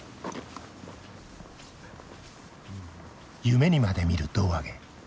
夢にまで見る胴上げ。